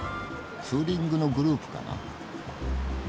ツーリングのグループかな？